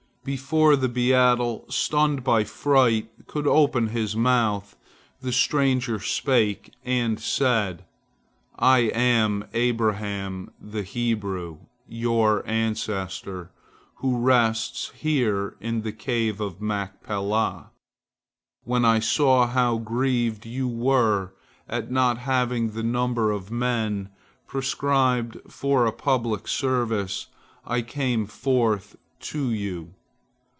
Before the beadle, stunned by fright, could open his mouth, the stranger spake, and said: "I am Abraham the Hebrew, your ancestor, who rests here in the Cave of Machpelah. When I saw how grieved you were at not having the number of men prescribed for a public service, I came forth to you.